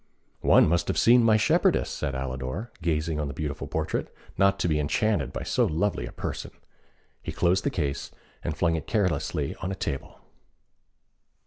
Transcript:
"One must have seen my shepherdess," said Alidor, gazing on this beautiful portrait, "not to be enchanted by so lovely a person." He closed the case, and flung it carelessly on a table.